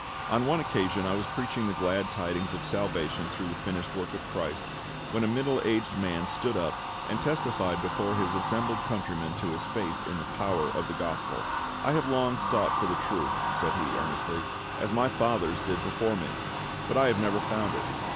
On one occasion I was preaching the glad tidings of salvation through the finished work of CHRIST, when a middle aged man stood up, and testified before his assembled countrymen to his faith in the power of the Gospel. "I have long sought for the Truth," said he earnestly, "as my fathers did before me; but I have never found it.